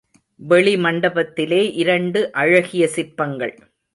வெளி மண்டபத்திலே இரண்டு அழகிய சிற்பங்கள்.